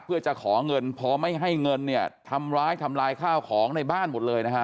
เพื่อจะขอเงินพอไม่ให้เงินเนี่ยทำร้ายทำลายข้าวของในบ้านหมดเลยนะฮะ